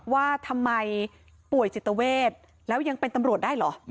ว่าทำไมป่วยจิตเวทแล้วยังเป็นตำรวจได้เหรอ